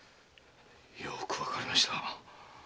よくわかりました。